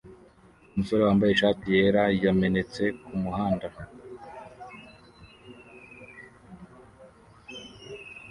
Umusore wambaye ishati yera yamenetse kumuhanda